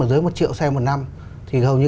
dưới một triệu xe một năm thì hầu như